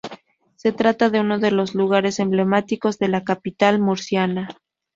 Se trata de uno de los lugares emblemáticos de la capital murciana.